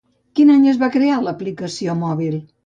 Quin any es va crear l'aplicació mòbil?